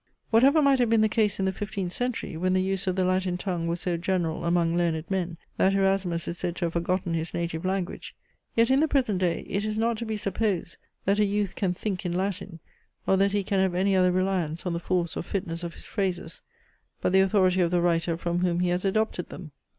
Whatever might have been the case in the fifteenth century, when the use of the Latin tongue was so general among learned men, that Erasmus is said to have forgotten his native language; yet in the present day it is not to be supposed, that a youth can think in Latin, or that he can have any other reliance on the force or fitness of his phrases, but the authority of the writer from whom he has adopted them.